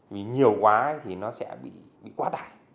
vì nhiều quá thì nó sẽ bị quá tải